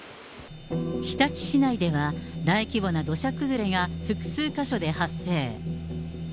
日立市内では大規模な土砂崩れが複数個所で発生。